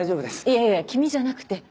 いやいや君じゃなくて。